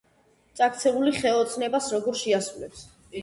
წაქცეული ხე ოცნებას როგორ შეისრულებს!